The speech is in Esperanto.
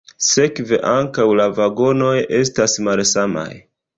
Sekve ankaŭ la vagonoj estas malsamaj.